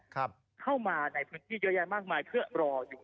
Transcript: เข้ามาในพื้นที่เยอะแยะมากมายเพื่อรออยู่